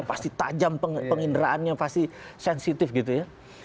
pasti tajam penginderaannya pasti sensitif gitu ya